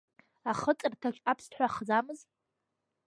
Ахыҵырҭаҿ аԥсҭҳәа хӡамыз?